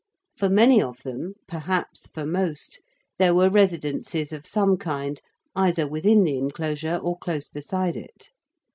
For many of them, perhaps for most, there were residences of some kind either within the enclosure or close beside it.